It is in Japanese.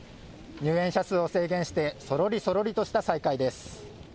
入園者数を制限してそろりそろりとした再開です。